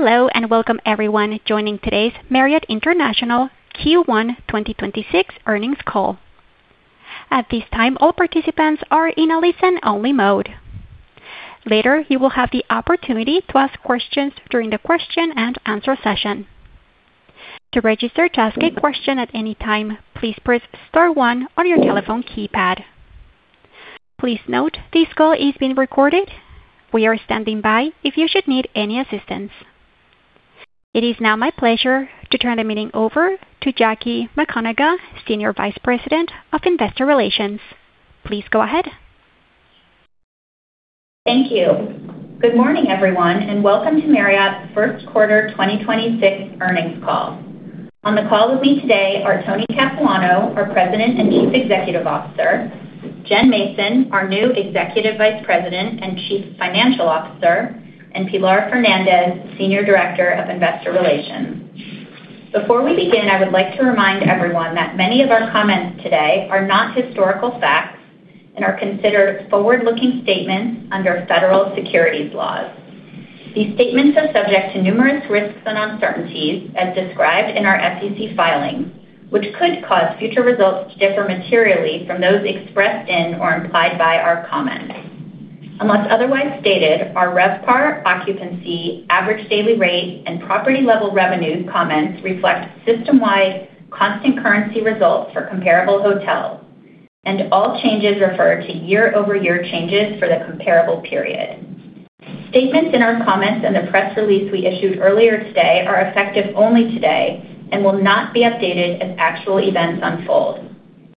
Hello and welcome everyone joining today's Marriott International Q1 2026 earnings call. At this time, all participants are in a listen-only mode. Later, you will have the opportunity to ask questions during the question and answer session. To register to ask a question at any time, please press star one on your telephone keypad. Please note this call is being recorded. We are standing by if you should need any assistance. It is now my pleasure to turn the meeting over to Jackie McConagha, Senior Vice President of Investor Relations. Please go ahead. Thank you. Good morning, everyone, and welcome to Marriott's first quarter 2026 earnings call. On the call with me today are Tony Capuano, our President and Chief Executive Officer; Jen Mason, our new Executive Vice President and Chief Financial Officer; and Pilar Fernandez, Senior Director of Investor Relations. Before we begin, I would like to remind everyone that many of our comments today are not historical facts and are considered forward-looking statements under federal securities laws. These statements are subject to numerous risks and uncertainties as described in our SEC filings, which could cause future results to differ materially from those expressed in or implied by our comments. Unless otherwise stated, our RevPAR, occupancy, average daily rate, and property-level revenue comments reflect system-wide constant currency results for comparable hotels, and all changes refer to year-over-year changes for the comparable period. Statements in our comments and the press release we issued earlier today are effective only today and will not be updated as actual events unfold.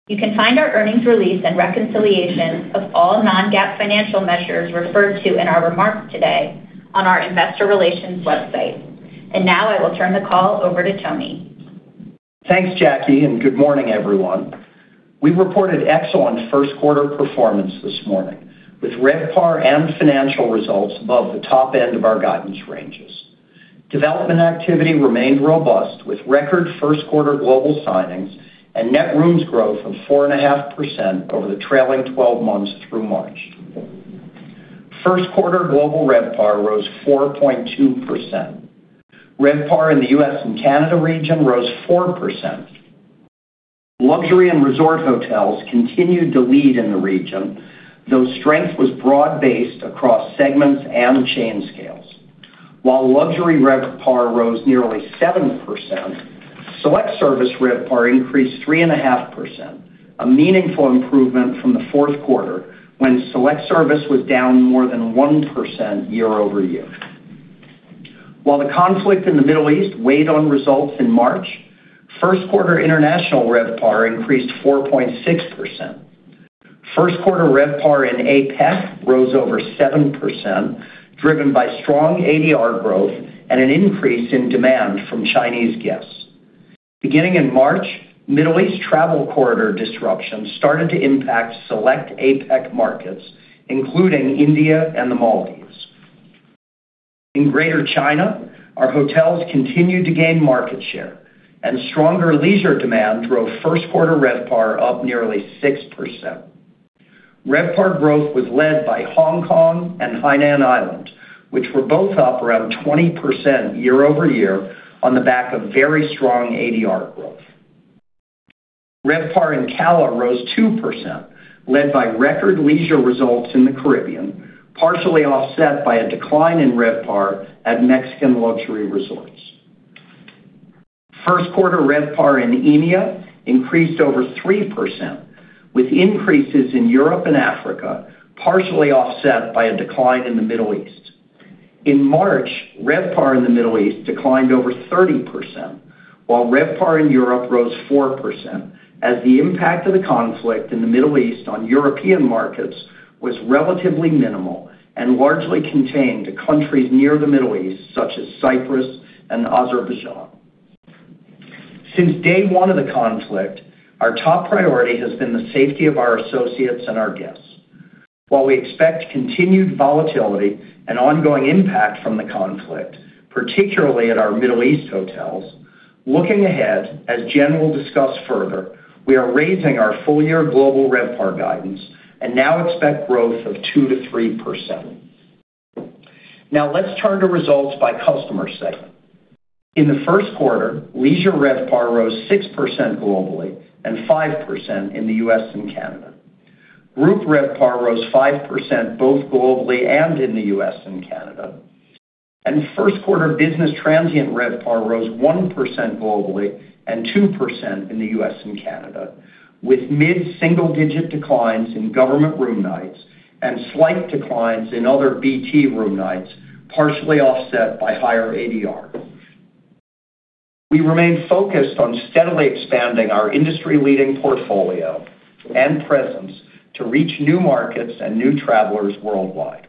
You can find our earnings release and reconciliation of all non-GAAP financial measures referred to in our remarks today on our investor relations website. Now I will turn the call over to Tony. Thanks, Jackie. Good morning, everyone. We reported excellent first quarter performance this morning, with RevPAR and financial results above the top end of our guidance ranges. Development activity remained robust with record first quarter global signings and net rooms growth of 4.5% over the trailing 12 months through March. First quarter global RevPAR rose 4.2%. RevPAR in the U.S. and Canada region rose 4%. Luxury and resort hotels continued to lead in the region, though strength was broad-based across segments and chain scales. While luxury RevPAR rose nearly 7%, select service RevPAR increased 3.5%, a meaningful improvement from the fourth quarter when select service was down more than 1% year-over-year. While the conflict in the Middle East weighed on results in March, first quarter international RevPAR increased 4.6% First quarter RevPAR in APAC rose over 7%, driven by strong ADR growth and an increase in demand from Chinese guests. Beginning in March, Middle East travel corridor disruption started to impact select APAC markets, including India and the Maldives. In Greater China, our hotels continued to gain market share, and stronger leisure demand drove first quarter RevPAR up nearly 6%. RevPAR growth was led by Hong Kong and Hainan Island, which were both up around 20% year-over-year on the back of very strong ADR growth. RevPAR in CALA rose 2%, led by record leisure results in the Caribbean, partially offset by a decline in RevPAR at Mexican luxury resorts. First quarter RevPAR in EMEA increased over 3%, with increases in Europe and Africa partially offset by a decline in the Middle East. In March, RevPAR in the Middle East declined over 30%, while RevPAR in Europe rose 4%, as the impact of the conflict in the Middle East on European markets was relatively minimal and largely contained to countries near the Middle East, such as Cyprus and Azerbaijan. Since day one of the conflict, our top priority has been the safety of our associates and our guests. While we expect continued volatility and ongoing impact from the conflict, particularly at our Middle East hotels, looking ahead, as Jen will discuss further, we are raising our full-year global RevPAR guidance and now expect growth of 2%-3%. Now let's turn to results by customer segment. In the first quarter, leisure RevPAR rose 6% globally and 5% in the U.S. and Canada. Group RevPAR rose 5% both globally and in the U.S. and Canada. First quarter business transient RevPAR rose 1% globally and 2% in the U.S. and Canada, with mid-single-digit declines in government room nights and slight declines in other BT room nights, partially offset by higher ADR. We remain focused on steadily expanding our industry-leading portfolio and presence to reach new markets and new travelers worldwide.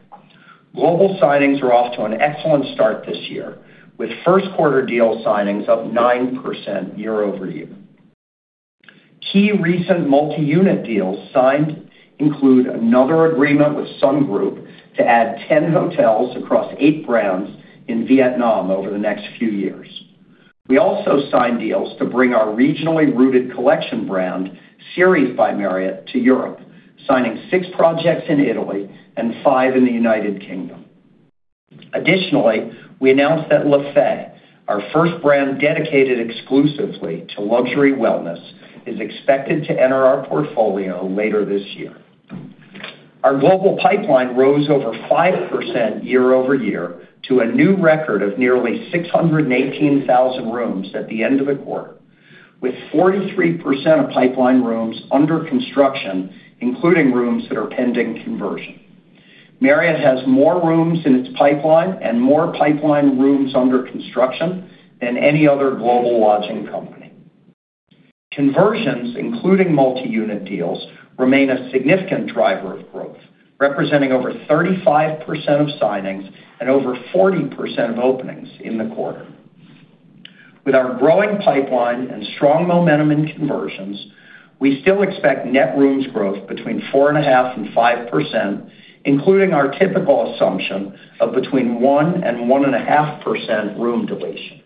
Global signings are off to an excellent start this year, with first quarter deal signings up 9% year-over-year. Key recent multi-unit deals signed include another agreement with Sun Group to add 10 hotels across eight brands in Vietnam over the next few years. We also signed deals to bring our regionally rooted collection brand, Series by Marriott, to Europe, signing six projects in Italy and five in the United Kingdom. Additionally, we announced that Lefay, our first brand dedicated exclusively to luxury wellness, is expected to enter our portfolio later this year. Our global pipeline rose over 5% year-over-year to a new record of nearly 618,000 rooms at the end of the quarter, with 43% of pipeline rooms under construction, including rooms that are pending conversion. Marriott has more rooms in its pipeline and more pipeline rooms under construction than any other global lodging company. Conversions, including multi-unit deals, remain a significant driver of growth, representing over 35% of signings and over 40% of openings in the quarter. With our growing pipeline and strong momentum in conversions, we still expect net rooms growth between 4.5% and 5%, including our typical assumption of between 1% and 1.5% room deletions.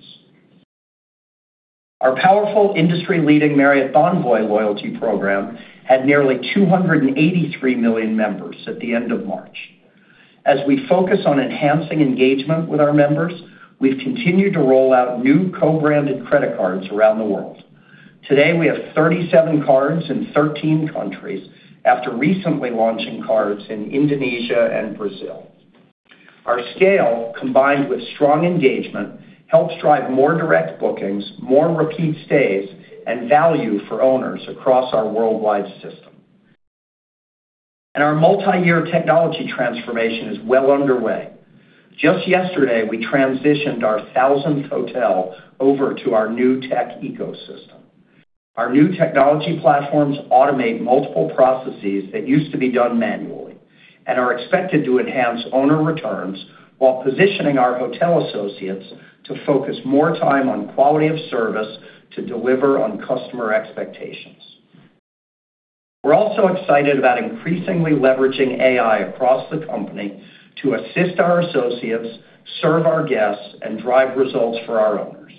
Our powerful industry-leading Marriott Bonvoy loyalty program had nearly 283 million members at the end of March. As we focus on enhancing engagement with our members, we've continued to roll out new co-branded credit cards around the world. Today, we have 37 cards in 13 countries after recently launching cards in Indonesia and Brazil. Our scale, combined with strong engagement, helps drive more direct bookings, more repeat stays, and value for owners across our worldwide system. Our multiyear technology transformation is well underway. Just yesterday, we transitioned our 1,000th hotel over to our new tech ecosystem. Our new technology platforms automate multiple processes that used to be done manually and are expected to enhance owner returns while positioning our hotel associates to focus more time on quality of service to deliver on customer expectations. We're also excited about increasingly leveraging AI across the company to assist our associates, serve our guests, and drive results for our owners.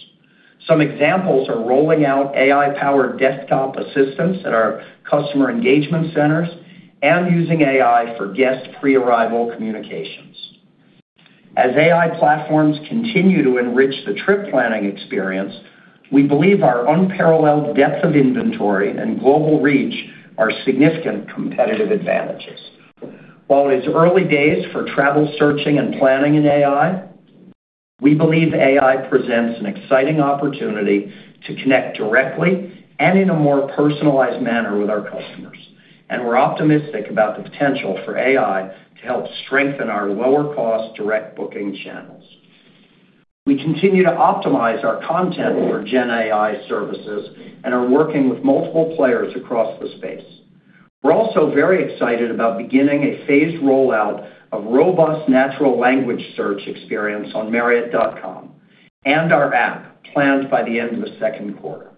Some examples are rolling out AI-powered desktop assistance at our customer engagement centers and using AI for guest pre-arrival communications. As AI platforms continue to enrich the trip planning experience, we believe our unparalleled depth of inventory and global reach are significant competitive advantages. While it's early days for travel searching and planning in AI, we believe AI presents an exciting opportunity to connect directly and in a more personalized manner with our customers, and we're optimistic about the potential for AI to help strengthen our lower-cost direct booking channels. We continue to optimize our content for GenAI services and are working with multiple players across the space. We're also very excited about beginning a phased rollout of robust natural language search experience on marriott.com and our app planned by the end of the second quarter.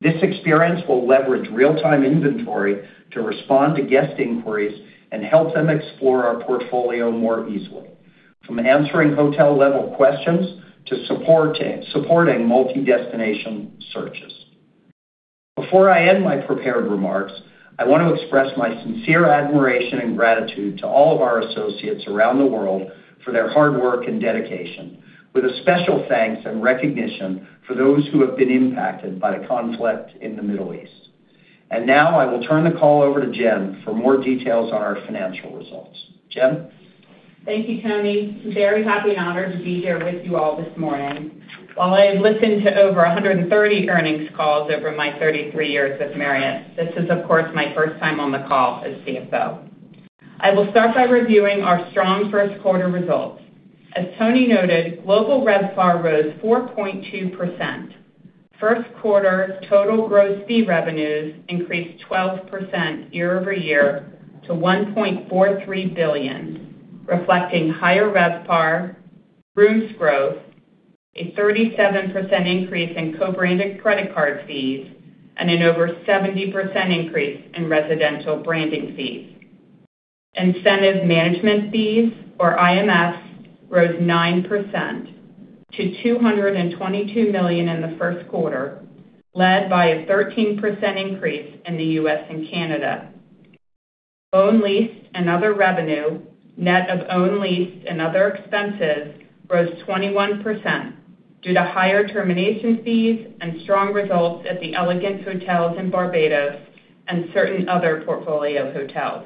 This experience will leverage real-time inventory to respond to guest inquiries and help them explore our portfolio more easily, from answering hotel-level questions to supporting multi-destination searches. Before I end my prepared remarks, I want to express my sincere admiration and gratitude to all of our associates around the world for their hard work and dedication, with a special thanks and recognition for those who have been impacted by the conflict in the Middle East. Now, I will turn the call over to Jen for more details on our financial results. Jen? Thank you, Tony. Very happy and honored to be here with you all this morning. While I have listened to over 130 earnings calls over my 33 years at Marriott, this is, of course, my first time on the call as CFO. I will start by reviewing our strong first quarter results. As Tony noted, global RevPAR rose 4.2%. First quarter total gross fee revenues increased 12% year-over-year to $1.43 billion, reflecting higher RevPAR, rooms growth, a 37% increase in co-branded credit card fees, and an over 70% increase in residential branding fees. Incentive management fees, or IMFs, rose 9% to $222 million in the first quarter, led by a 13% increase in the U.S. and Canada. Owned, leased, and other revenue, net of owned, leased, and other expenses, rose 21% due to higher termination fees and strong results at the Elegant Hotels in Barbados and certain other portfolio hotels.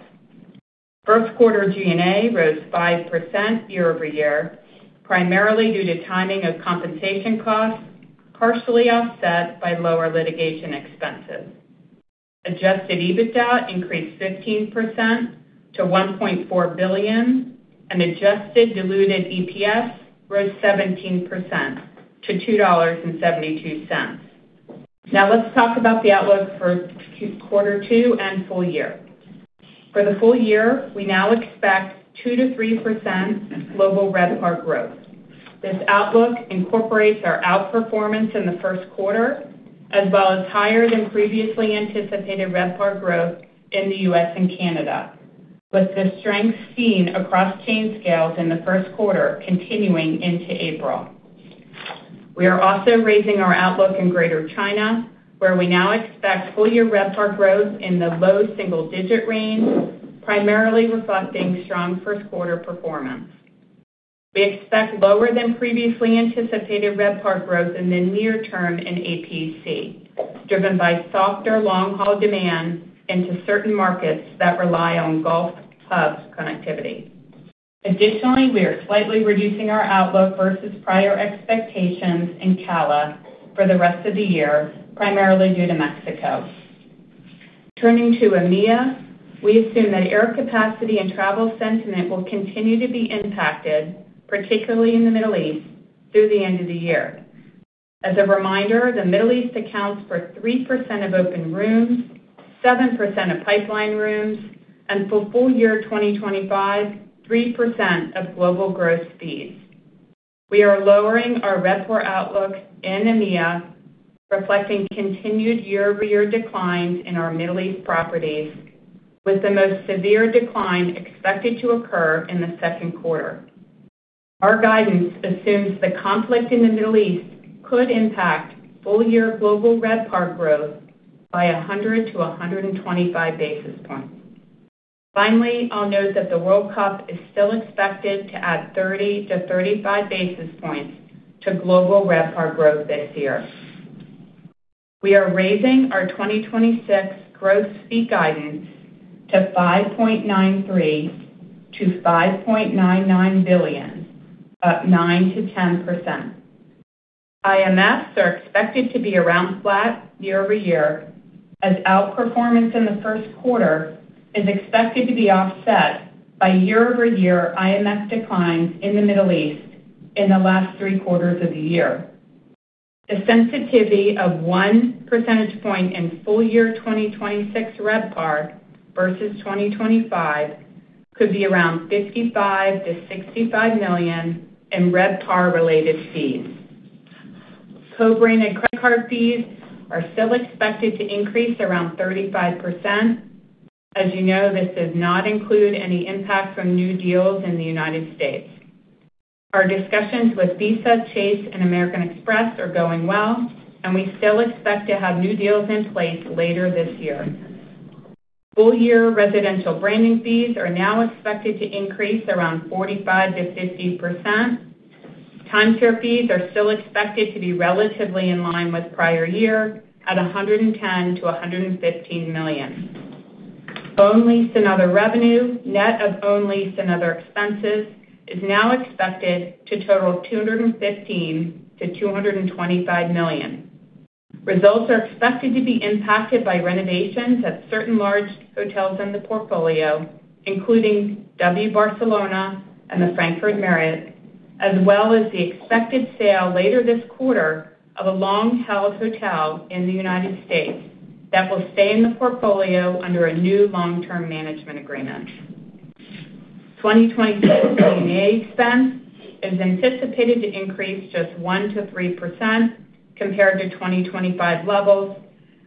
First quarter G&A rose 5% year-over-year, primarily due to timing of compensation costs, partially offset by lower litigation expenses. Adjusted EBITDA increased 15% to $1.4 billion. Adjusted diluted EPS rose 17% to $2.72. Let's talk about the outlook for quarter two and full year. For the full year, we now expect 2%-3% global RevPAR growth. This outlook incorporates our outperformance in the first quarter, as well as higher than previously anticipated RevPAR growth in the U.S. and Canada. With the strength seen across chain scales in the first quarter continuing into April. We are also raising our outlook in Greater China, where we now expect full-year RevPAR growth in the low single-digit range, primarily reflecting strong first quarter performance. We expect lower than previously anticipated RevPAR growth in the near term in APAC, driven by softer long-haul demand into certain markets that rely on Gulf hub connectivity. Additionally, we are slightly reducing our outlook versus prior expectations in CALA for the rest of the year, primarily due to Mexico. Turning to EMEA, we assume that air capacity and travel sentiment will continue to be impacted, particularly in the Middle East, through the end of the year. As a reminder, the Middle East accounts for 3% of open rooms, 7% of pipeline rooms, and for full year 2025, 3% of global gross fees. We are lowering our RevPAR outlook in EMEA, reflecting continued year-over-year declines in our Middle East properties, with the most severe decline expected to occur in the second quarter. Our guidance assumes the conflict in the Middle East could impact full-year global RevPAR growth by 100-125 basis points. I'll note that the World Cup is still expected to add 30-35 basis points to global RevPAR growth this year. We are raising our 2026 gross fee guidance to $5.93 billion-$5.99 billion, up 9%-10%. IMFs are expected to be around flat year-over-year as outperformance in the first quarter is expected to be offset by year-over-year IMFs declines in the Middle East in the last three quarters of the year. The sensitivity of 1 percentage point in full year 2026 RevPAR versus 2025 could be around $55 million-$65 million in RevPAR-related fees. Co-branded credit card fees are still expected to increase around 35%. As you know, this does not include any impact from new deals in the United States. Our discussions with Visa, Chase, and American Express are going well, and we still expect to have new deals in place later this year. Full year residential branding fees are now expected to increase around 45%-50%. Timeshare fees are still expected to be relatively in line with prior year at $110 million-$115 million. Owned, leased, and other revenue, net of owned, leased, and other expenses, is now expected to total $215 million-$225 million. Results are expected to be impacted by renovations at certain large hotels in the portfolio, including W Barcelona and the Frankfurt Marriott, as well as the expected sale later this quarter of a long-held hotel in the U.S. that will stay in the portfolio under a new long-term management agreement. [2026 G&A] expense is anticipated to increase just 1%-3% compared to 2025 levels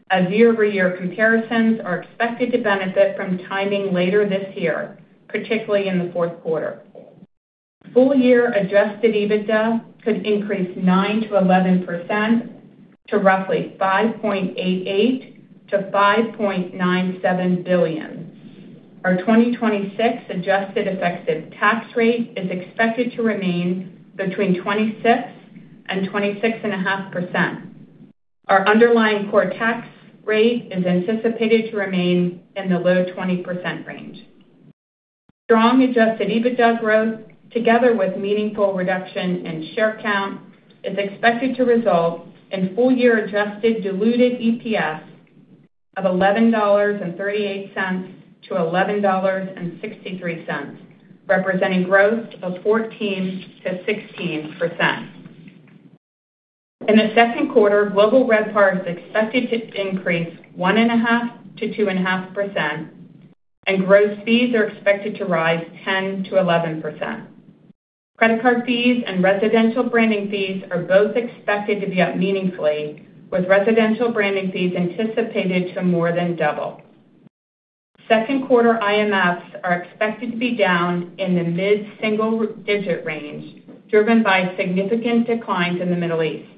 as year-over-year comparisons are expected to benefit from timing later this year, particularly in the fourth quarter. Full year adjusted EBITDA could increase 9%-11% to roughly $5.88 billion-$5.97 billion. Our 2026 adjusted effective tax rate is expected to remain between 26% and 26.5%. Our underlying core tax rate is anticipated to remain in the low 20% range. Strong adjusted EBITDA growth, together with meaningful reduction in share count, is expected to result in full-year adjusted diluted EPS of $11.38-$11.63, representing growth of 14%-16%. In the second quarter, global RevPAR is expected to increase 1.5%-2.5%, and gross fees are expected to rise 10%-11%. Credit card fees and residential branding fees are both expected to be up meaningfully, with residential branding fees anticipated to more than double. Second quarter IMFs are expected to be down in the mid-single digit range, driven by significant declines in the Middle East.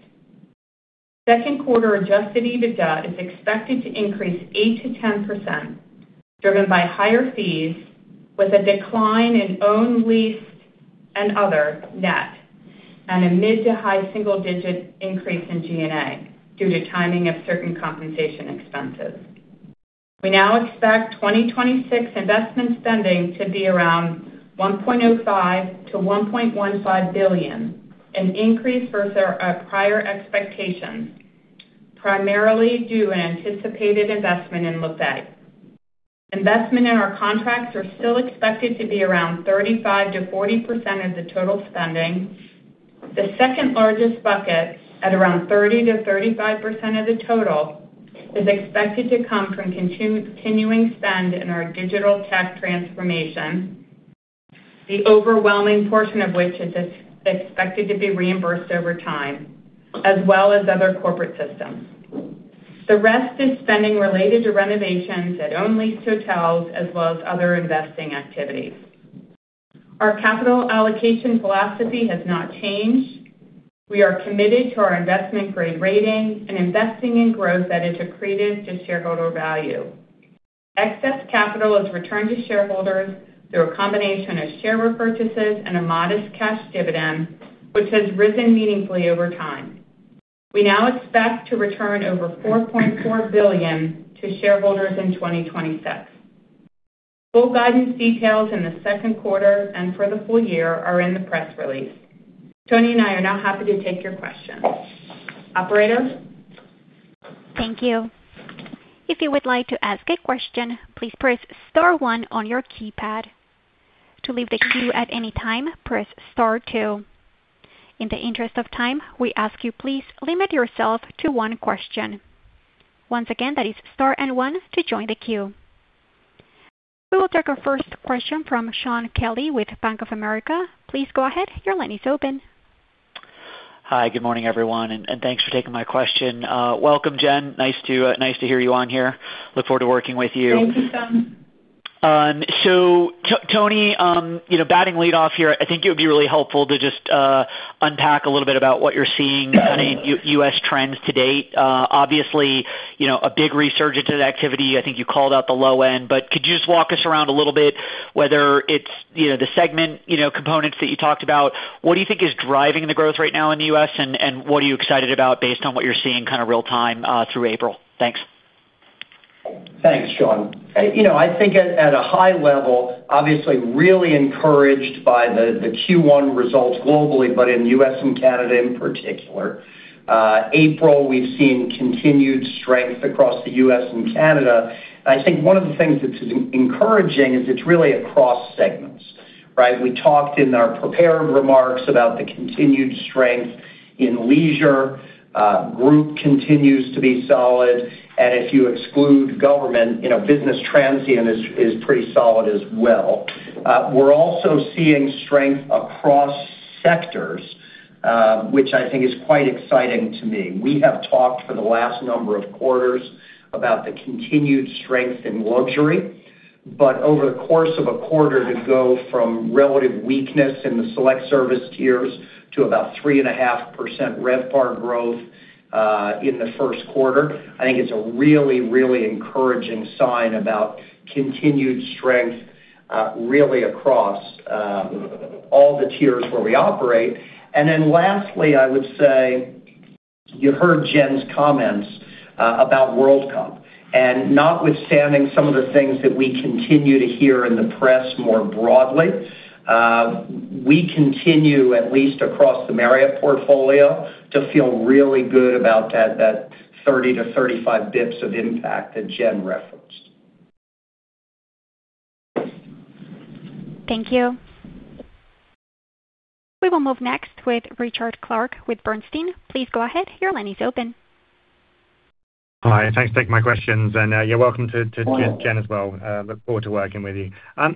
Second quarter adjusted EBITDA is expected to increase 8%-10%, driven by higher fees with a decline in owned, leased, and other net and a mid- to high-single-digit increase in G&A due to timing of certain compensation expenses. We now expect 2026 investment spending to be around $1.05 billion-$1.15 billion, an increase versus our prior expectations, primarily due to anticipated investment in Lefay. Investment in our contracts are still expected to be around 35%-40% of the total spending. The second largest bucket, at around 30%-35% of the total, is expected to come from continuing spend in our digital tech transformation. The overwhelming portion of which is expected to be reimbursed over time, as well as other corporate systems. The rest is spending related to renovations at owned leased hotels, as well as other investing activities. Our capital allocation philosophy has not changed. We are committed to our investment-grade rating and investing in growth that is accretive to shareholder value. Excess capital is returned to shareholders through a combination of share repurchases and a modest cash dividend, which has risen meaningfully over time. We now expect to return over $4.4 billion to shareholders in 2026. Full guidance details in the second quarter and for the full year are in the press release. Tony and I are now happy to take your questions. Operator? Thank you. If you would like to ask a question, please press star one on your keypad. To leave the queue at any time, press star two. In the interest of time, we ask you please limit yourself to one question. Once again, that is star and one to join the queue. We will take our first question from Shaun Kelley with Bank of America. Please go ahead. Your line is open. Hi, good morning, everyone, and thanks for taking my question. Welcome, Jen. Nice to hear you on here. Look forward to working with you. Thank you, Shaun. Tony, you know, batting lead off here, I think it would be really helpful to just unpack a little bit about what you're seeing kind of U.S. trends to date. Obviously, you know, a big resurgence in activity. I think you called out the low end, but could you just walk us around a little bit, whether it's, you know, the segment, you know, components that you talked about, what do you think is driving the growth right now in the U.S., and what are you excited about based on what you're seeing kinda real-time through April? Thanks. Thanks, Shaun. You know, I think at a high level, obviously really encouraged by the Q1 results globally, but in U.S. and Canada in particular. April, we've seen continued strength across the U.S. and Canada. I think one of the things that's encouraging is it's really across segments, right? We talked in our prepared remarks about the continued strength in leisure. Group continues to be solid, and if you exclude government, you know, business transient is pretty solid as well. We're also seeing strength across sectors, which I think is quite exciting to me. We have talked for the last number of quarters about the continued strength in luxury, but over the course of a quarter to go from relative weakness in the select service tiers to about 3.5% RevPAR growth in the first quarter, I think it's a really, really encouraging sign about continued strength really across all the tiers where we operate. Then lastly, I would say, you heard Jen's comments about World Cup. Notwithstanding some of the things that we continue to hear in the press more broadly, we continue, at least across the Marriott portfolio, to feel really good about that 30-35 basis points of impact that Jen referenced. Thank you. We will move next with Richard Clarke with Bernstein. Please go ahead. Your line is open. Hi, thanks for taking my questions. You're welcome to Jen as well. Look forward to working with you.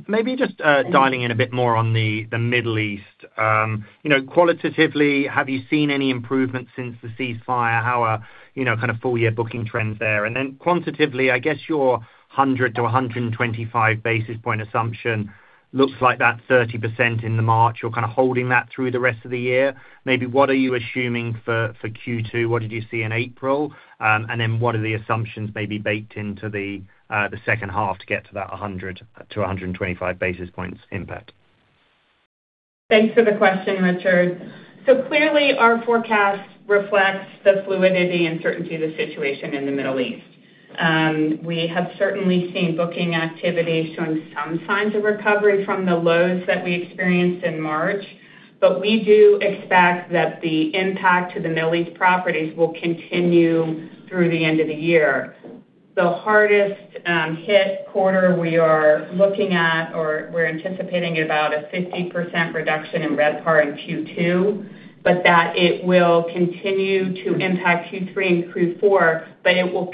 Maybe just dialing in a bit more on the Middle East. You know, qualitatively, have you seen any improvement since the ceasefire? How are, you know, kind of full-year booking trends there? Quantitatively, I guess your 100-125 basis point assumption looks like that 30% in the March. You're kinda holding that through the rest of the year. Maybe what are you assuming for Q2? What did you see in April? What are the assumptions maybe baked into the second half to get to that 100-125 basis points impact? Thanks for the question, Richard. Clearly, our forecast reflects the fluidity and certainty of the situation in the Middle East. We have certainly seen booking activity showing some signs of recovery from the lows that we experienced in March. We do expect that the impact to the Middle East properties will continue through the end of the year. The hardest hit quarter we are looking at, or we're anticipating about a 50% reduction in RevPAR in Q2, that it will continue to impact Q3 and Q4, it will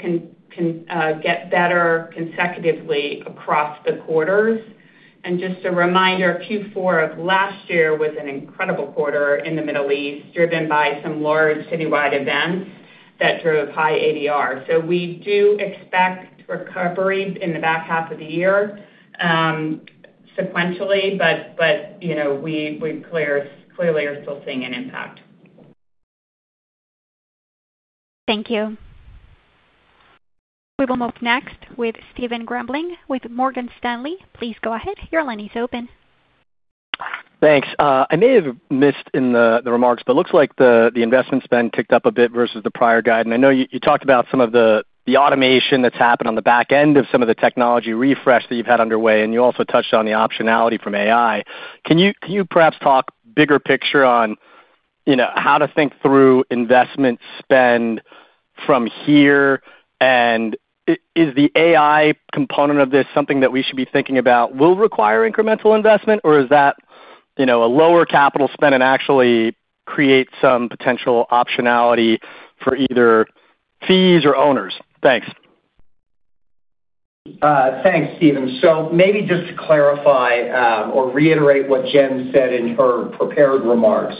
get better consecutively across the quarters. Just a reminder, Q4 of last year was an incredible quarter in the Middle East, driven by some large citywide events that drove high ADR. We do expect recovery in the back half of the year, sequentially, but, you know, we clearly are still seeing an impact. Thank you. We will move next with Stephen Grambling with Morgan Stanley. Please go ahead. Your line is open. Thanks. I may have missed in the remarks, looks like the investment spend ticked up a bit versus the prior guide. I know you talked about some of the automation that's happened on the back end of some of the technology refresh that you've had underway, and you also touched on the optionality from AI. Can you perhaps talk bigger picture on, you know, how to think through investment spend from here? Is the AI component of this something that we should be thinking about will require incremental investment, or is that, you know, a lower capital spend and actually create some potential optionality for either fees or owners? Thanks. Thanks, Stephen. Maybe just to clarify, or reiterate what Jen said in her prepared remarks.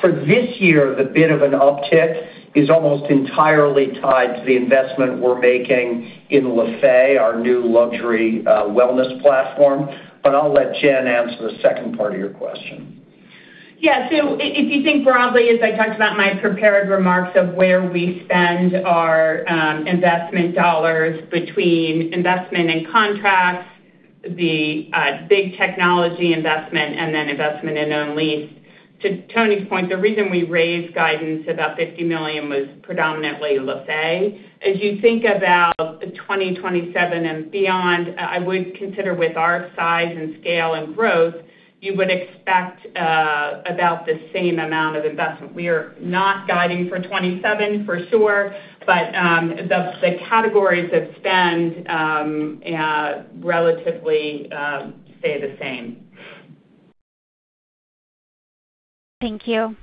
For this year, the bit of an uptick is almost entirely tied to the investment we're making in Lefay, our new luxury wellness platform. I'll let Jen answer the second part of your question. Yeah. If you think broadly, as I talked about in my prepared remarks of where we spend our investment dollars between investment and contracts, the big technology investment, and then investment in owned lease. To Tony's point, the reason we raised guidance about $50 million was predominantly Lefay. As you think about 2027 and beyond, I would consider with our size and scale and growth, you would expect about the same amount of investment. We are not guiding for 2027 for sure, but the categories of spend relatively stay the same. Thank you.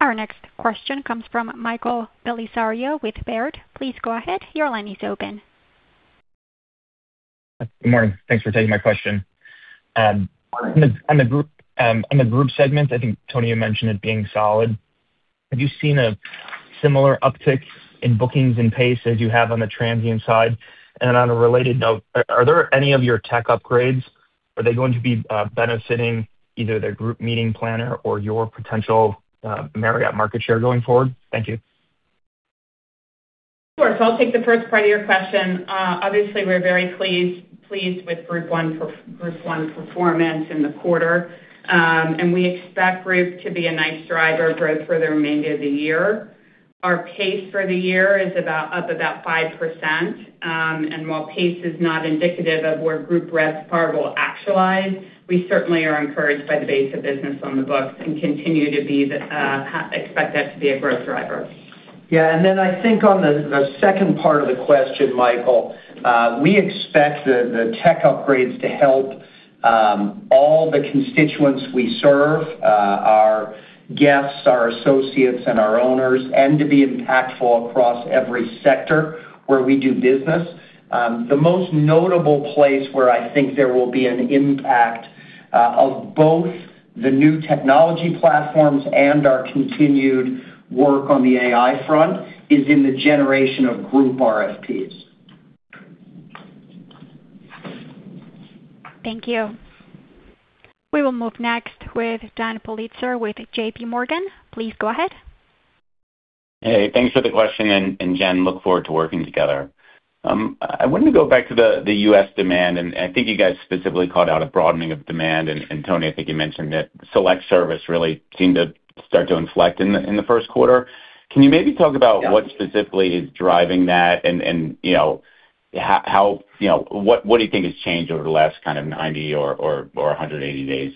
Our next question comes from Michael Bellisario with Baird. Please go ahead, your line is open. Good morning. Thanks for taking my question. On the group segment, I think, Tony, you mentioned it being solid. Have you seen a similar uptick in bookings and pace as you have on the transient side? On a related note, are there any of your tech upgrades, are they going to be benefiting either the group meeting planner or your potential Marriott market share going forward? Thank you. Sure. I'll take the first part of your question. Obviously, we're very pleased with [group one] performance in the quarter. We expect group to be a nice driver of growth for the remainder of the year. Our pace for the year is about up about 5%. While pace is not indicative of where group RevPAR will actualize, we certainly are encouraged by the base of business on the books and continue to be the, expect that to be a growth driver. Yeah. I think on the second part of the question, Michael, we expect the tech upgrades to help all the constituents we serve, our guests, our associates, and our owners, and to be impactful across every sector where we do business. The most notable place where I think there will be an impact of both the new technology platforms and our continued work on the AI front is in the generation of group RFPs. Thank you. We will move next with Dan Politzer with JPMorgan. Please go ahead. Hey, thanks for the question. Jen, look forward to working together. I wanted to go back to the U.S. demand, and I think you guys specifically called out a broadening of demand. Tony, I think you mentioned that select service really seemed to start to inflect in the first quarter. Can you maybe talk about what specifically is driving that? And, you know, how, you know, what do you think has changed over the last kind of 90 or 180 days?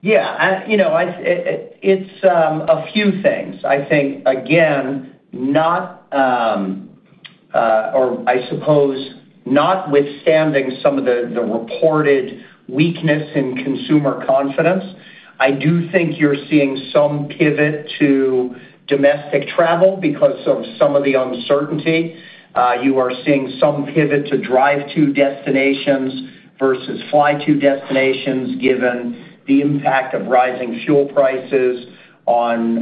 Yeah. You know, a few things. I think, again, not, or I suppose notwithstanding some of the reported weakness in consumer confidence, I do think you're seeing some pivot to domestic travel because of some of the uncertainty. You are seeing some pivot to drive to destinations versus fly to destinations given the impact of rising fuel prices on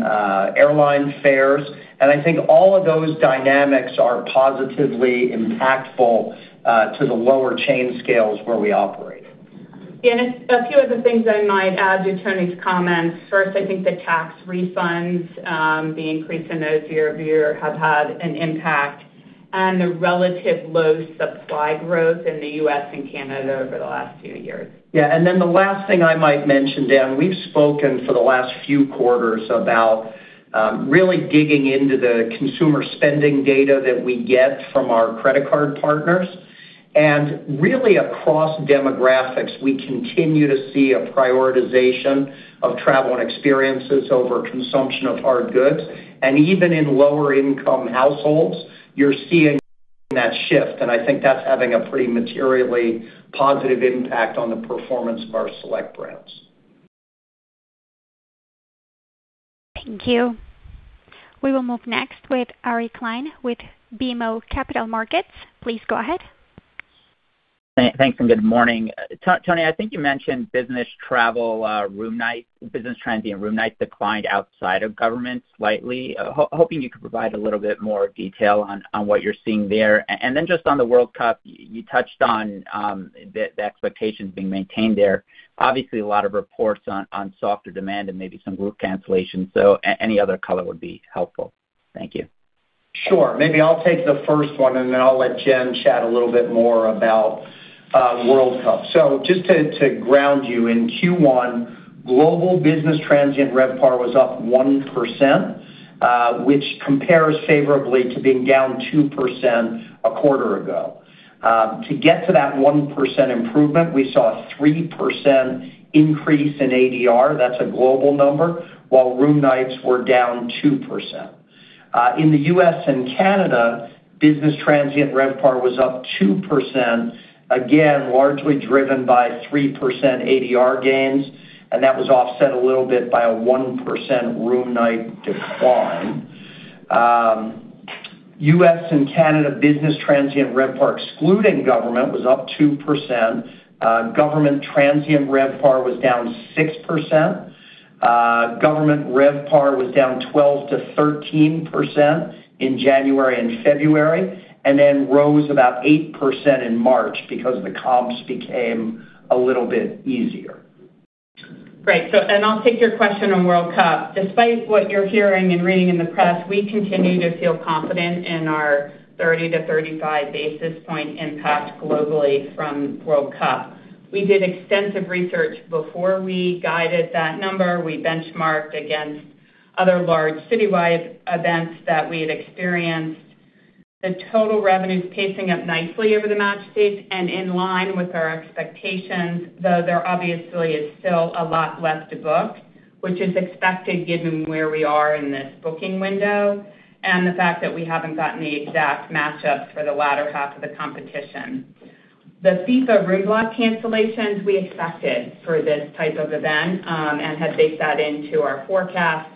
airline fares. I think all of those dynamics are positively impactful to the lower chain scales where we operate. Yeah. A few other things I might add to Tony's comments. First, I think the tax refunds, the increase in those year-over-year have had an impact on the relative low supply growth in the U.S. and Canada over the last few years. Yeah. The last thing I might mention, Dan, we've spoken for the last few quarters about really digging into the consumer spending data that we get from our credit card partners. Across demographics, we continue to see a prioritization of travel and experiences over consumption of hard goods. Even in lower income households, you're seeing that shift, and I think that's having a pretty materially positive impact on the performance of our select brands. Thank you. We will move next with Ari Klein with BMO Capital Markets. Please go ahead. Thanks and good morning. Tony, I think you mentioned business travel, business transient room nights declined outside of government slightly. Hoping you could provide a little bit more detail on what you're seeing there. Then just on the World Cup, you touched on the expectations being maintained there. Obviously, a lot of reports on softer demand and maybe some group cancellations. Any other color would be helpful. Thank you. Sure. Maybe I'll take the first one, and then I'll let Jen chat a little bit more about World Cup. Just to ground you, in Q1, global business transient RevPAR was up 1%, which compares favorably to being down 2% a quarter ago. To get to that 1% improvement, we saw a 3% increase in ADR, that's a global number, while room nights were down 2%. In the U.S. and Canada, business transient RevPAR was up 2%, again, largely driven by 3% ADR gains. That was offset a little bit by a 1% room night decline. U.S. and Canada business transient RevPAR, excluding government, was up 2%. Government transient RevPAR was down 6%. Government RevPAR was down 12%-13% in January and February, and then rose about 8% in March because the comps became a little bit easier. Great. I'll take your question on World Cup. Despite what you're hearing and reading in the press, we continue to feel confident in our 30-35 basis point impact globally from World Cup. We did extensive research before we guided that number. We benchmarked against other large citywide events that we had experienced. The total revenue is pacing up nicely over the match date and in line with our expectations, though there obviously is still a lot left to book, which is expected given where we are in this booking window and the fact that we haven't gotten the exact match-ups for the latter half of the competition. The FIFA room block cancellations we expected for this type of event, and had baked that into our forecast.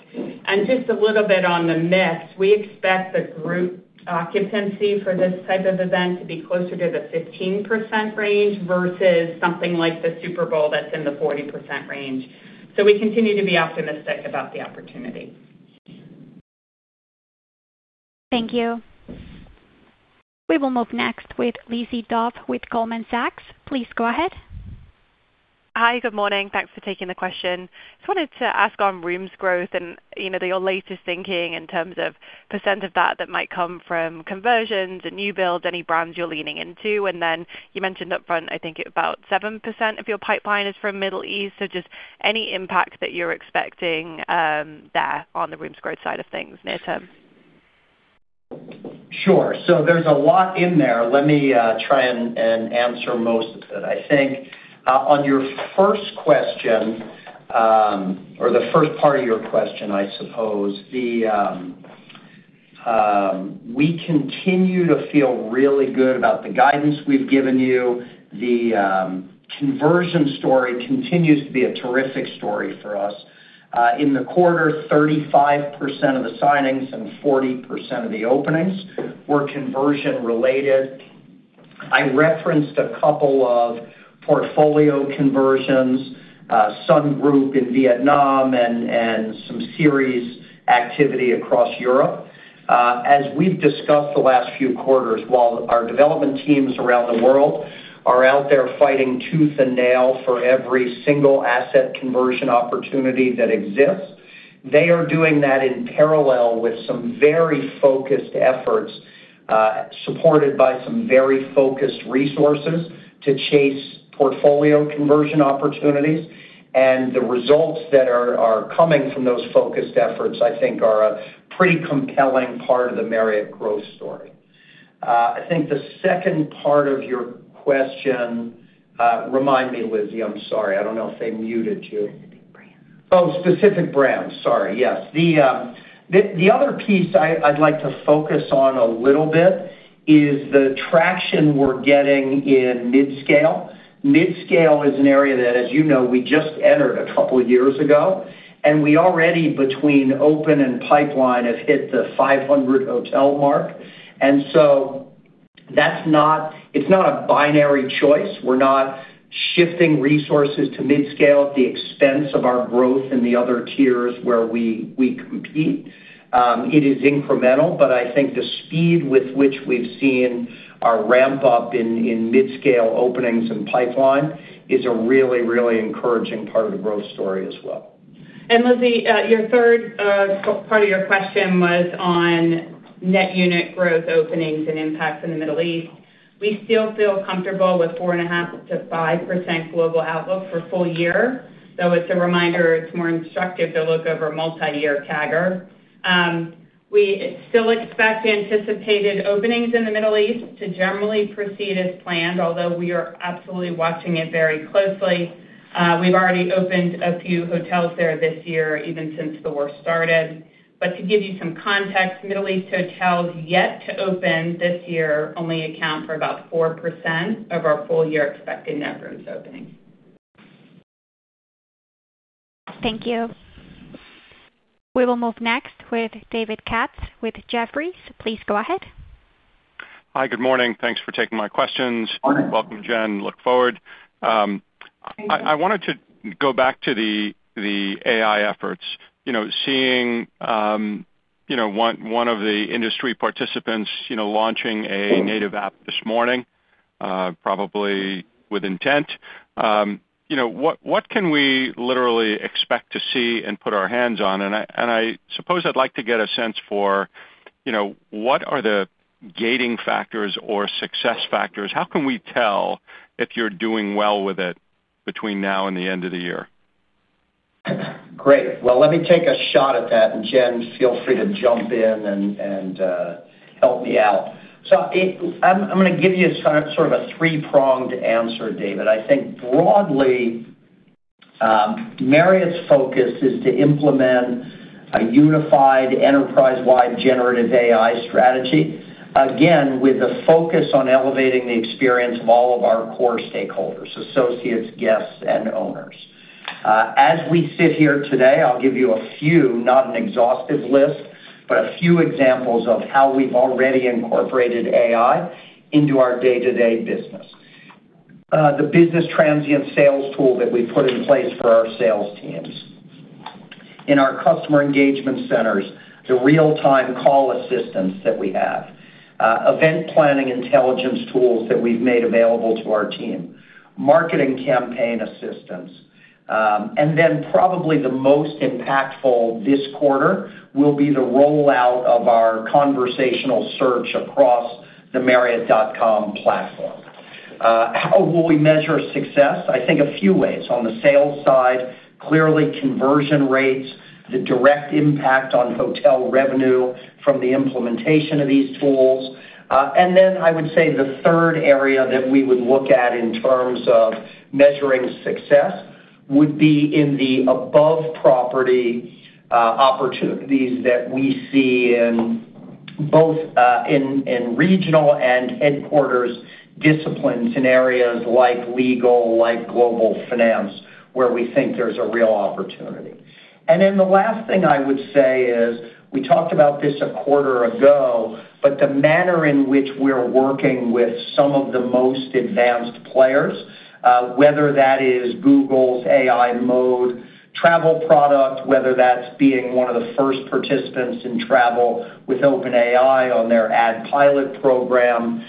Just a little bit on the mix, we expect the group occupancy for this type of event to be closer to the 15% range versus something like the Super Bowl that's in the 40% range. We continue to be optimistic about the opportunity. Thank you. We will move next with Lizzie Dove with Goldman Sachs. Please go ahead. Hi. Good morning. Thanks for taking the question. Just wanted to ask on rooms growth and, you know, your latest thinking in terms of percent of that that might come from conversions and new builds, any brands you're leaning into. You mentioned upfront, I think about 7% of your pipeline is from Middle East. Just any impact that you're expecting there on the rooms growth side of things near term. Sure. There's a lot in there. Let me try and answer most of it. I think on your first question, or the first part of your question, I suppose, we continue to feel really good about the guidance we've given you. The conversion story continues to be a terrific story for us. In the quarter, 35% of the signings and 40% of the openings were conversion related. I referenced a couple of portfolio conversions, Sun Group in Vietnam and some Series activity across Europe. As we've discussed the last few quarters, while our development teams around the world are out there fighting tooth and nail for every single asset conversion opportunity that exists, they are doing that in parallel with some very focused efforts, supported by some very focused resources to chase portfolio conversion opportunities. The results that are coming from those focused efforts, I think, are a pretty compelling part of the Marriott growth story. I think the second part of your question, remind me, Lizzie. I'm sorry. I don't know if they muted you. Specific brands. Oh, specific brands. Sorry. Yes. The other piece I'd like to focus on a little bit is the traction we're getting in mid-scale. Mid-scale is an area that, as you know, we just entered a couple of years ago. We already between open and pipeline, have hit the 500 hotel mark. That's not. It's not a binary choice. We're not shifting resources to mid-scale at the expense of our growth in the other tiers where we compete. It is incremental, I think the speed with which we've seen our ramp-up in mid-scale openings and pipeline is a really, really encouraging part of the growth story as well. Lizzie, your third part of your question was on net unit growth openings and impacts in the Middle East. We still feel comfortable with 4.5%-5% global outlook for full year. As a reminder, it's more instructive to look over multi-year CAGR. We still expect anticipated openings in the Middle East to generally proceed as planned, although we are absolutely watching it very closely. We've already opened a few hotels there this year, even since the war started. To give you some context, Middle East hotels yet to open this year only account for about 4% of our full year expected net rooms opening. Thank you. We will move next with David Katz with Jefferies. Please go ahead. Hi. Good morning. Thanks for taking my questions. Welcome, Jen. Look forward. I wanted to go back to the AI efforts. You know, seeing, you know, one of the industry participants, you know, launching a native app this morning, probably with intent. You know, what can we literally expect to see and put our hands on? I suppose I'd like to get a sense for, you know, what are the gating factors or success factors? How can we tell if you're doing well with it between now and the end of the year? Great. Let me take a shot at that, Jen, feel free to jump in and help me out. I'm gonna give you sort of a three-pronged answer, David. I think broadly, Marriott's focus is to implement a unified enterprise-wide generative AI strategy. Again, with a focus on elevating the experience of all of our core stakeholders, associates, guests, and owners. As we sit here today, I'll give you a few, not an exhaustive list, but a few examples of how we've already incorporated AI into our day-to-day business. The business transient sales tool that we put in place for our sales teams. In our customer engagement centers, the real-time call assistance that we have. Event planning intelligence tools that we've made available to our team. Marketing campaign assistance. Probably the most impactful this quarter will be the rollout of our conversational search across the marriott.com platform. How will we measure success? I think a few ways. On the sales side, clearly conversion rates, the direct impact on hotel revenue from the implementation of these tools. Then I would say the third area that we would look at in terms of measuring success would be in the above property opportunities that we see in both in regional and headquarters disciplines in areas like legal, like global finance, where we think there's a real opportunity. The last thing I would say is, we talked about this a quarter ago, but the manner in which we're working with some of the most advanced players, whether that is Google's AI mode travel product, whether that's being one of the first participants in travel with OpenAI on their Ad Pilot Program.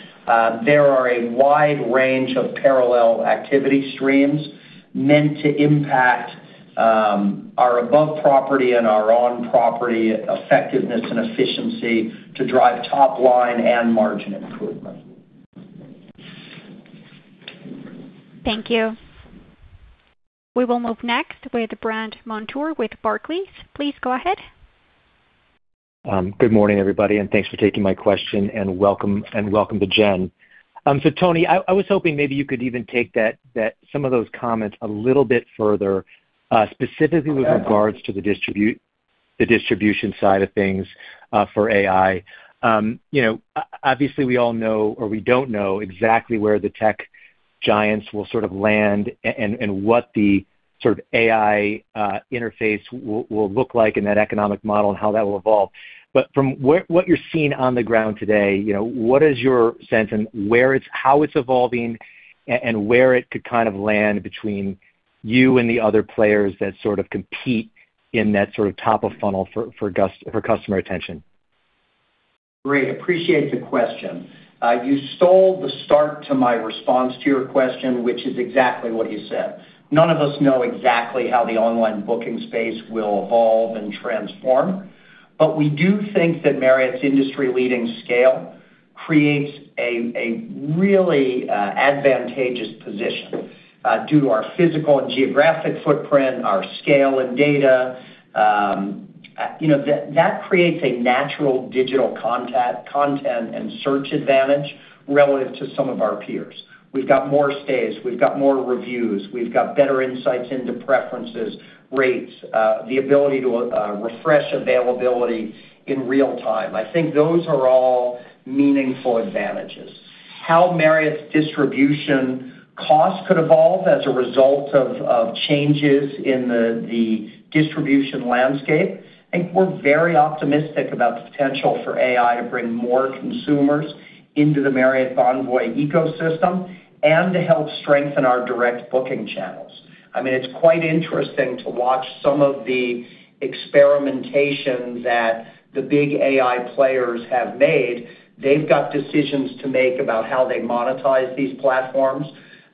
There are a wide range of parallel activity streams meant to impact our above property and our on-property effectiveness and efficiency to drive top line and margin improvement. Thank you. We will move next with Brandt Montour with Barclays. Please go ahead. Good morning, everybody, and thanks for taking my question, and welcome, and welcome to Jen. Tony, I was hoping maybe you could even take some of those comments a little bit further, specifically with regards to the distribution side of things for AI. You know, obviously, we all know or we don't know exactly where the tech giants will sort of land and what the sort of AI interface will look like in that economic model and how that will evolve. From what you're seeing on the ground today, you know, what is your sense in how it's evolving and where it could kind of land between you and the other players that sort of compete in that sort of top of funnel for customer attention? Great. Appreciate the question. You stole the start to my response to your question, which is exactly what you said. None of us know exactly how the online booking space will evolve and transform, but we do think that Marriott's industry-leading scale creates a really advantageous position due to our physical and geographic footprint, our scale and data. You know, that creates a natural digital content and search advantage relative to some of our peers. We've got more stays. We've got more reviews. We've got better insights into preferences, rates, the ability to refresh availability in real time. I think those are all meaningful advantages. How Marriott's distribution costs could evolve as a result of changes in the distribution landscape, I think we're very optimistic about the potential for AI to bring more consumers into the Marriott Bonvoy ecosystem and to help strengthen our direct booking channels. I mean, it's quite interesting to watch some of the experimentation that the big AI players have made. They've got decisions to make about how they monetize these platforms.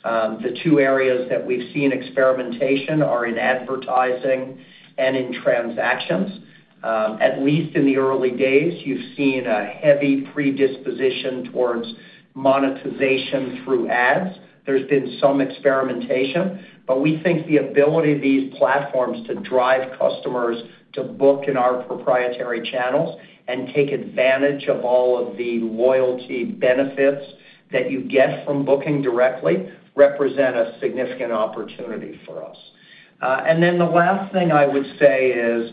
The two areas that we've seen experimentation are in advertising and in transactions. At least in the early days, you've seen a heavy predisposition towards monetization through ads. There's been some experimentation, we think the ability of these platforms to drive customers to book in our proprietary channels and take advantage of all of the loyalty benefits that you get from booking directly represent a significant opportunity for us. The last thing I would say is,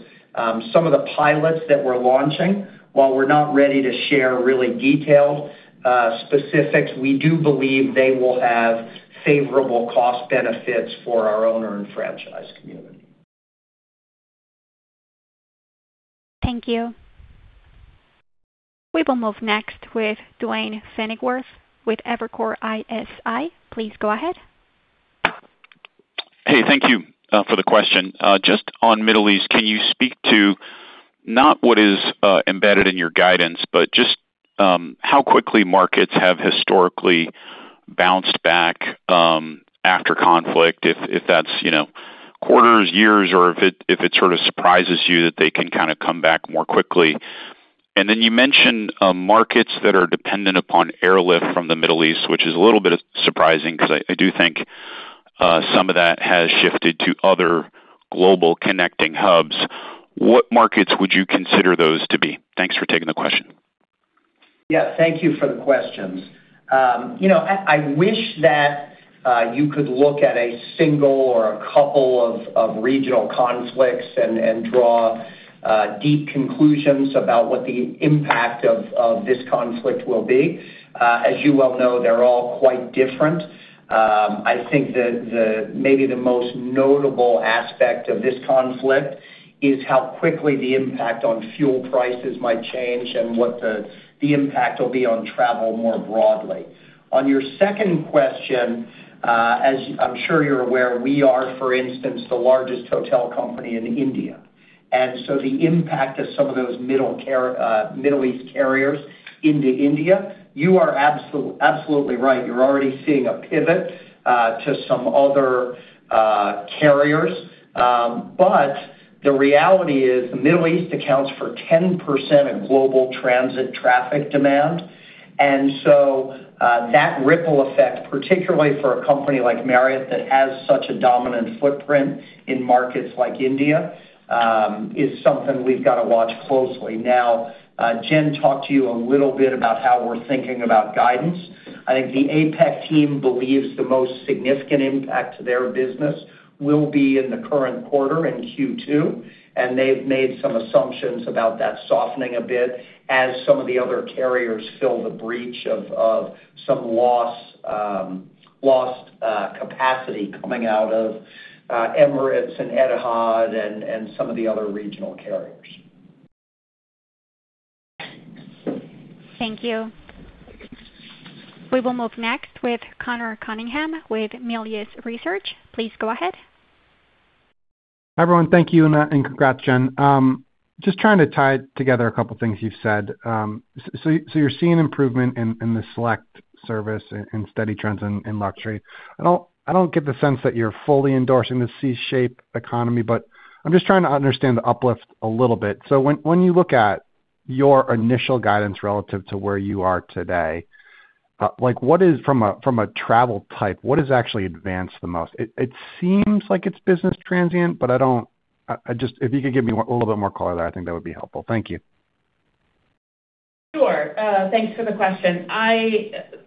some of the pilots that we're launching, while we're not ready to share really detailed specifics, we do believe they will have favorable cost benefits for our owner and franchise community. Thank you. We will move next with Duane Pfennigwerth with Evercore ISI. Please go ahead. Hey, thank you for the question. Just on Middle East, can you speak to not what is embedded in your guidance, but just how quickly markets have historically bounced back after conflict, if that's, you know, quarters, years, or if it sort of surprises you that they can kind of come back more quickly? Then you mentioned markets that are dependent upon airlift from the Middle East, which is a little bit surprising because I do think some of that has shifted to other global connecting hubs. What markets would you consider those to be? Thanks for taking the question. Yeah, thank you for the questions. You know, I wish that you could look at a single or a couple of regional conflicts and draw deep conclusions about what the impact of this conflict will be. As you well know, they're all quite different. I think maybe the most notable aspect of this conflict is how quickly the impact on fuel prices might change and what the impact will be on travel more broadly. On your second question, as I'm sure you're aware, we are, for instance, the largest hotel company in India. The impact of some of those Middle East carriers into India, you are absolutely right. You're already seeing a pivot to some other carriers. The reality is the Middle East accounts for 10% of global transit traffic demand. That ripple effect, particularly for a company like Marriott that has such a dominant footprint in markets like India, is something we've gotta watch closely. Now, Jen talked to you a little bit about how we're thinking about guidance. I think the APAC team believes the most significant impact to their business will be in the current quarter in Q2, and they've made some assumptions about that softening a bit as some of the other carriers fill the breach of some loss capacity coming out of Emirates and Etihad and some of the other regional carriers. Thank you. We will move next with Conor Cunningham with Melius Research. Please go ahead. Hi, everyone. Thank you, and and congrats, Jen. You're seeing improvement in the select service and steady trends in luxury. I don't get the sense that you're fully endorsing the K-shaped economy, but I'm just trying to understand the uplift a little bit. When you look at your initial guidance relative to where you are today, like, from a travel type, what is actually advanced the most? It seems like it's business transient, but if you could give me a little bit more color there, I think that would be helpful. Thank you. Sure. Thanks for the question.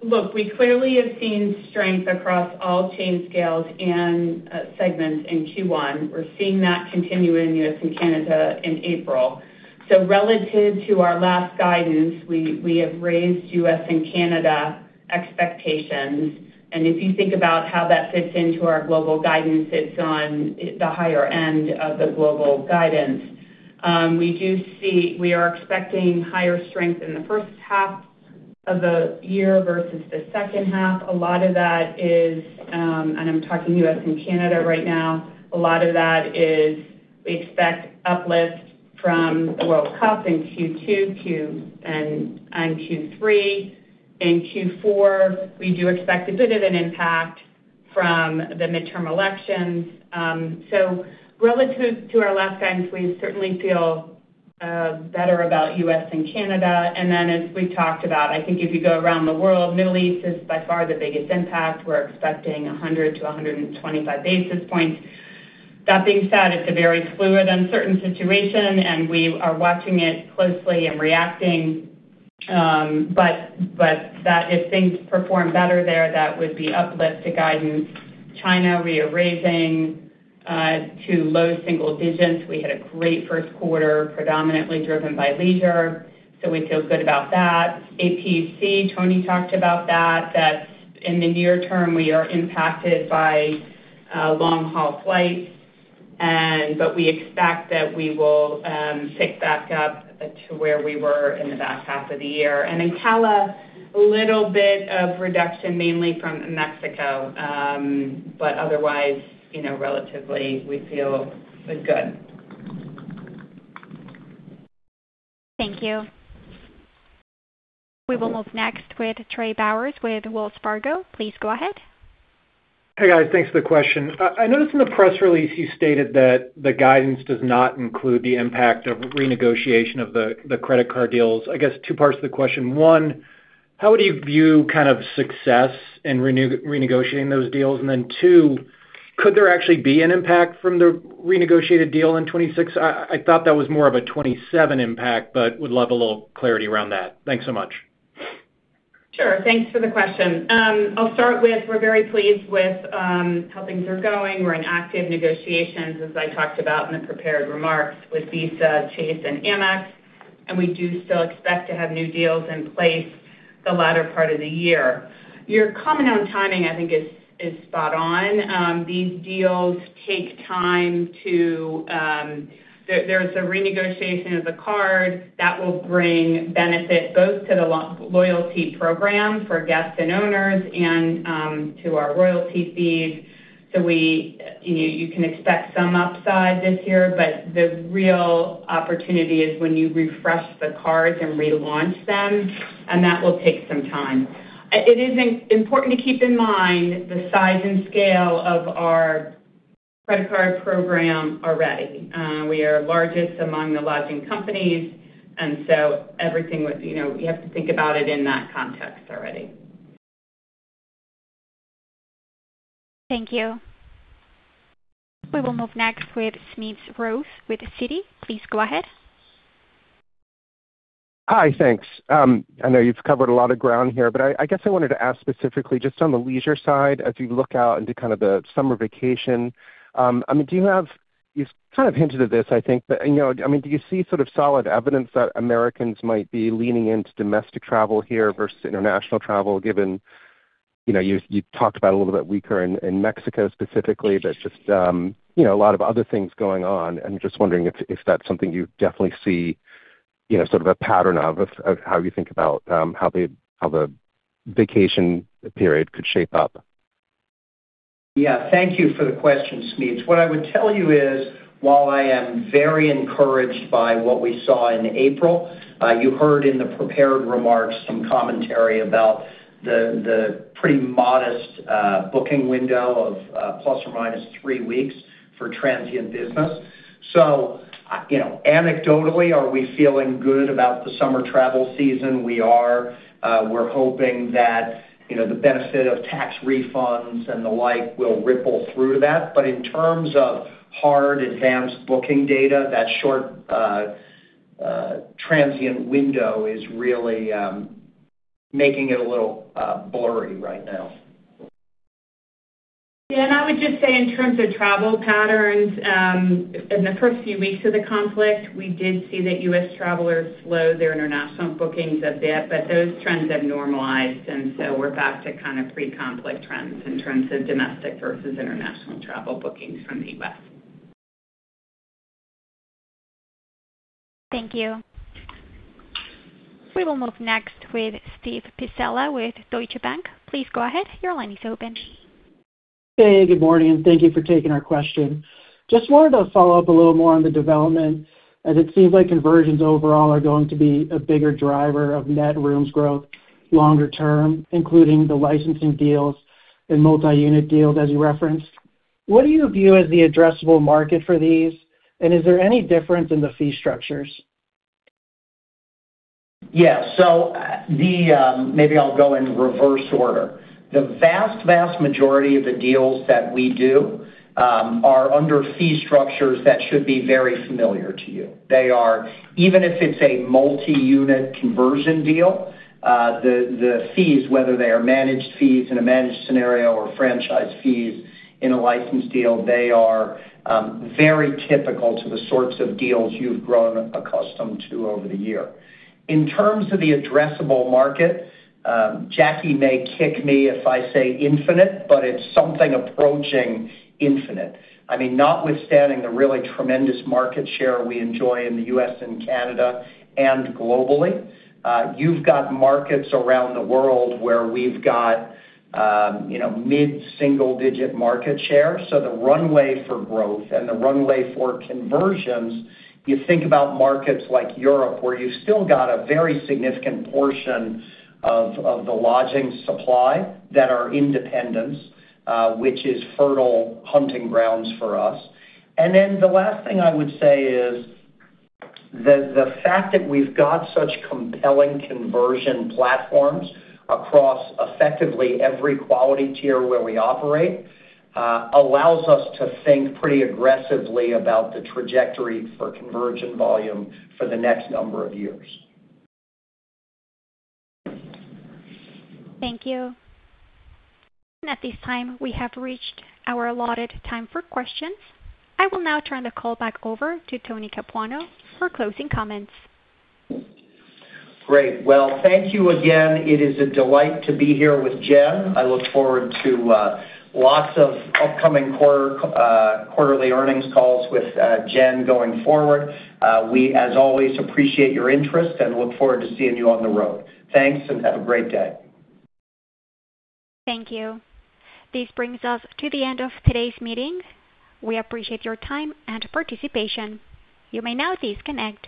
Look, we clearly have seen strength across all chain scales and segments in Q1. We're seeing that continue in U.S. And Canada in April. Relative to our last guidance, we have raised U.S. and Canada expectations. If you think about how that fits into our global guidance, it's on the higher end of the global guidance. We are expecting higher strength in the first half of the year versus the second half. A lot of that is, I'm talking U.S. and Canada right now, a lot of that is we expect uplift from World Cup in Q2 and Q3. In Q4, we do expect a bit of an impact from the midterm elections. Relative to our last guidance, we certainly feel better about US and Canada. As we talked about, I think if you go around the world, Middle East is by far the biggest impact. We're expecting 100-125 basis points. That being said, it's a very fluid, uncertain situation, and we are watching it closely and reacting. If things perform better there, that would be uplift to guidance. China, we are raising to low single digits. We had a great first quarter, predominantly driven by leisure, so we feel good about that. APAC, Tony talked about that in the near term, we are impacted by long-haul flights, but we expect that we will pick back up to where we were in the back half of the year. In CALA, a little bit of reduction, mainly from Mexico. Otherwise, you know, relatively, we feel it was good. Thank you. We will move next with Trey Bowers with Wells Fargo. Please go ahead. Hey, guys. Thanks for the question. I noticed in the press release you stated that the guidance does not include the impact of renegotiation of the credit card deals. I guess two parts to the question. One, how would you view kind of success in renegotiating those deals? Two, could there actually be an impact from the renegotiated deal in 2026? I thought that was more of a 2027 impact, would love a little clarity around that. Thanks so much. Sure. Thanks for the question. I'll start with we're very pleased with how things are going. We're in active negotiations, as I talked about in the prepared remarks, with Visa, Chase, and Amex. We do still expect to have new deals in place the latter part of the year. Your comment on timing, I think is spot on. These deals take time. There's a renegotiation of the card that will bring benefit both to the loyalty program for guests and owners, to our royalty fees. We, you know, you can expect some upside this year, but the real opportunity is when you refresh the cards and relaunch them. That will take some time. It is important to keep in mind the size and scale of our credit card program already. We are largest among the lodging companies, everything would, you know, you have to think about it in that context already. Thank you. We will move next with Smedes Rose with Citi. Please go ahead. Hi. Thanks. I know you've covered a lot of ground here, but I guess I wanted to ask specifically just on the leisure side, as you look out into kind of the summer vacation. I mean, You've kind of hinted at this, I think, but, you know, I mean, do you see sort of solid evidence that Americans might be leaning into domestic travel here versus international travel, given, you know, you talked about a little bit weaker in Mexico specifically, but just, you know, a lot of other things going on? I'm just wondering if that's something you definitely see, you know, sort of a pattern of how you think about, how the vacation period could shape up? Yeah. Thank you for the question, Smedes. What I would tell you is, while I am very encouraged by what we saw in April, you heard in the prepared remarks some commentary about the pretty modest booking window of ±3 weeks for transient business. You know, anecdotally, are we feeling good about the summer travel season? We are. We're hoping that, you know, the benefit of tax refunds and the like will ripple through that. In terms of hard advanced booking data, that short transient window is really making it a little blurry right now. Yeah. I would just say in terms of travel patterns, in the first few weeks of the conflict, we did see that U.S. travelers slowed their international bookings a bit, but those trends have normalized, so we're back to kind of pre-conflict trends in terms of domestic versus international travel bookings from the U.S. Thank you. We will move next with Steve Pizzella with Deutsche Bank. Please go ahead. Your line is open. Hey, good morning, and thank you for taking our question. Just wanted to follow up a little more on the development, as it seems like conversions overall are going to be a bigger driver of net rooms growth longer term, including the licensing deals and multi-unit deals, as you referenced. What do you view as the addressable market for these, and is there any difference in the fee structures? Maybe I'll go in reverse order. The vast majority of the deals that we do are under fee structures that should be very familiar to you. They are, even if it's a multi-unit conversion deal, the fees, whether they are managed fees in a managed scenario or franchise fees in a licensed deal, they are very typical to the sorts of deals you've grown accustomed to over the year. In terms of the addressable market, Jackie may kick me if I say infinite, but it's something approaching infinite. I mean, notwithstanding the really tremendous market share we enjoy in the U.S. and Canada and globally, you've got markets around the world where we've got, you know, mid-single-digit market share. The runway for growth and the runway for conversions, you think about markets like Europe, where you've still got a very significant portion of the lodging supply that are independents, which is fertile hunting grounds for us. The last thing I would say is the fact that we've got such compelling conversion platforms across effectively every quality tier where we operate, allows us to think pretty aggressively about the trajectory for conversion volume for the next number of years. Thank you. At this time, we have reached our allotted time for questions. I will now turn the call back over to Tony Capuano for closing comments. Great. Well, thank you again. It is a delight to be here with Jen. I look forward to lots of upcoming quarter, quarterly earnings calls with Jen going forward. We, as always, appreciate your interest and look forward to seeing you on the road. Thanks, and have a great day. Thank you. This brings us to the end of today's meeting. We appreciate your time and participation. You may now disconnect.